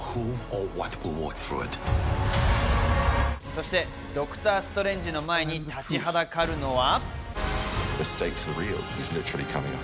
そしてドクター・ストレンジの前に立ちはだかるのは。